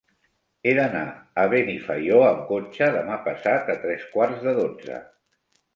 He d'anar a Benifaió amb cotxe demà passat a tres quarts de dotze.